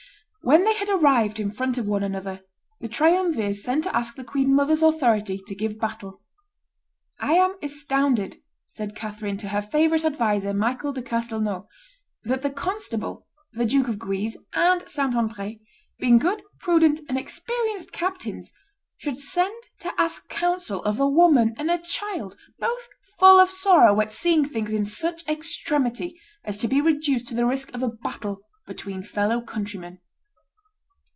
When they had arrived in front of one another, the triumvirs sent to ask the queen mother's authority to give battle. "I am astounded," said Catherine to her favorite adviser, Michael de Castelnau, "that the constable, the Duke of Guise, and Saint Andre, being good, prudent, and experienced captains, should send to ask counsel of a woman and a child, both full of sorrow at seeing things in such extremity as to be reduced to the risk of a battle between fellow countrymen."